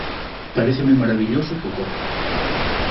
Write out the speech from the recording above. Paréceme marabilloso que ocorra.